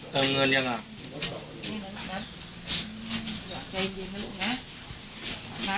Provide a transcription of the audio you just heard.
เติมเงินหรือยังอ่ะ